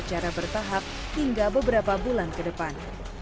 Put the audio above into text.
secara bertahap hingga beberapa bulan ke depan